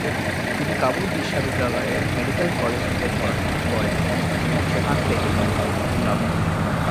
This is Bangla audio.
তিনি কাবুল বিশ্ববিদ্যালয়ের মেডিকেল কলেজ থেকে পড়াশুনা করেন এবং সেখান থেকে মেডিকেল ডিগ্রী লাভ করেন।